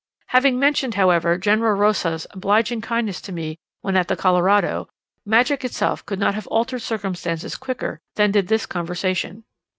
Having mentioned, however, General Rosas's obliging kindness to me when at the Colorado, magic itself could not have altered circumstances quicker than did this conversation.